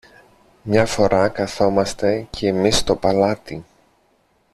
Μια φορά καθόμαστε κι εμείς στο παλάτι.